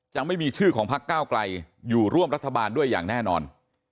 ไม่มีชื่อของพักเก้าไกลอยู่ร่วมรัฐบาลด้วยอย่างแน่นอน